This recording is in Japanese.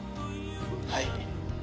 はい。